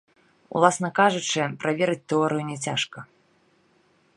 Уласна кажучы, праверыць тэорыю няцяжка.